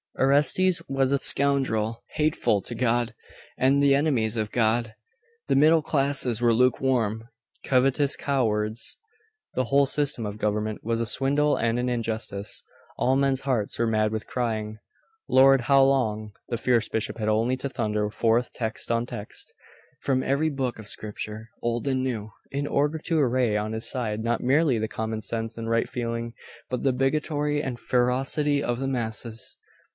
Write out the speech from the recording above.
Orestes was a scoundrel, hateful to God, and to the enemies of God. The middle classes were lukewarm covetous cowards: the whole system of government was a swindle and an injustice; all men's hearts were mad with crying, 'Lord, how long?' The fierce bishop had only to thunder forth text on text, from every book of scripture, old and new, in order to array on his side not merely the common sense and right feeling, but the bigotry and ferocity of the masses.